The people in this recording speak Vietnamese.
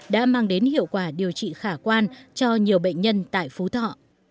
đã mang đến hiệu quả điều trị khả quan cho nhiều bệnh nhân tại phú thọ